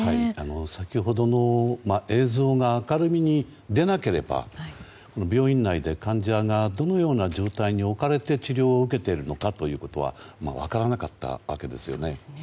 先ほどの映像が明るみに出なければ病院内で患者がどのような状態に置かれて治療を受けているのか分からなかったわけですよね。